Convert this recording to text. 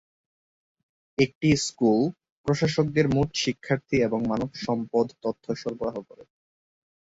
এটি স্কুল প্রশাসকদের মোট শিক্ষার্থী এবং মানব সম্পদ তথ্য সরবরাহ করে।